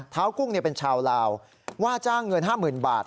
กุ้งเป็นชาวลาวว่าจ้างเงิน๕๐๐๐บาท